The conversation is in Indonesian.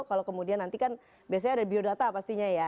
kalau kemudian nanti kan biasanya ada biodata pastinya ya